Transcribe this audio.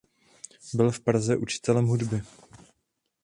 Byl v Praze učitelem hudby.